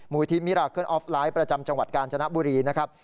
มูลวิทย์มิรักษ์เคลื่อนออฟไลท์ประจำจังหวัดกาลจนบุรีนะครับ